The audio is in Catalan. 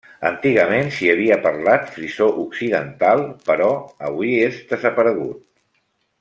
Antigament s'hi havia parlat frisó occidental, però avui és desaparegut.